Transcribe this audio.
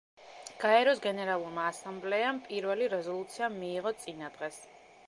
გაეროს გენერალურმა ასამბლეამ პირველი რეზოლუცია მიიღო წინა დღეს.